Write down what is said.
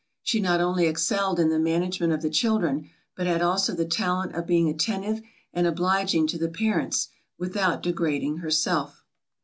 She not only excelled in the management of the children, but had also the talent of being attentive and obliging to the parents, without degrading herself.